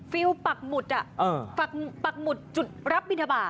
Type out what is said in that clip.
ฟิลปักหมุดปักหมุดจุดรับบินทบาท